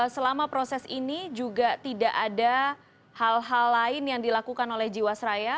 selama proses ini juga tidak ada hal hal lain yang dilakukan oleh jiwasraya